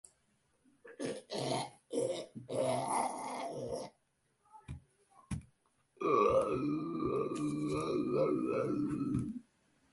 El nombre "Alquibla" procede del árabe "al-Qibla", "la del sur".